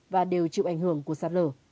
và đều chịu ảnh hưởng của sạt lở